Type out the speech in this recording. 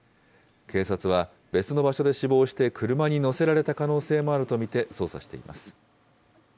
警察は別の場所で死亡して、車に乗せられた可能性もあると見て捜査しています。